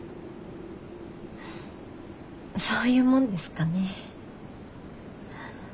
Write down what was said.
そういうもんですかね。